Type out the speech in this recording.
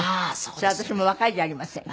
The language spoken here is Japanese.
そりゃ私も若いじゃありませんか。